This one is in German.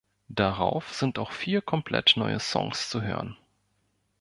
Darauf sind auch vier komplett neue Songs zu hören.